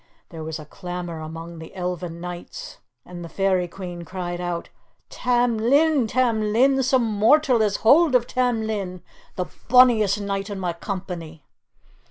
There was a clamour among the Elfin Knights, and the Fairy Queen cried out, "Tam Lin! Tam Lin! Some mortal has hold of Tam Lin, the bonniest knight in my company!"